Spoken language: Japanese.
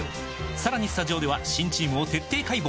さらにスタジオでは新チームを徹底解剖！